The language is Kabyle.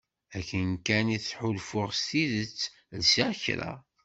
Akken kan i ttḥulfuɣ s tidet lsiɣ kra.